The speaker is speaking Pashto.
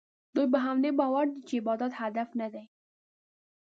دوی په همدې باور دي چې عبادت هدف نه دی.